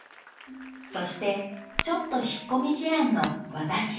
そしてちょっと引っ込み思案の「私」。